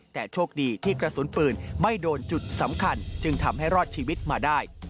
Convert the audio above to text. แต่โชคดีที่กระสุนปืนไม่โดนจุดสำคัญจึงทำให้รอดชีวิตมาได้